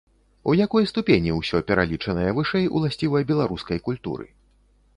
У якой ступені ўсё пералічанае вышэй уласціва беларускай культуры?